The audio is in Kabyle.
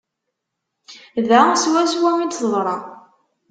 Da swaswa i d-teḍra.